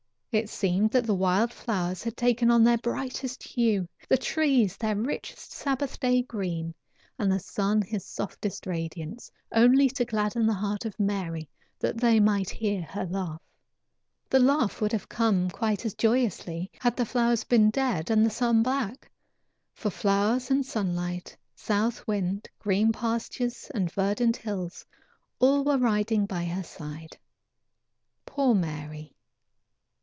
It seemed that the wild flowers had taken on their brightest hue, the trees their richest Sabbath day green, and the sun his softest radiance, only to gladden the heart of Mary that they might hear her laugh. The laugh would have come quite as joyously had the flowers been dead and the sun black, for flowers and sunlight, south wind, green pastures and verdant hills, all were riding by her side. Poor Mary!